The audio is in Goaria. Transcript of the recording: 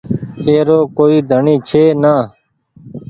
اي رو ڪوئي ڍڻي ڇي نآ۔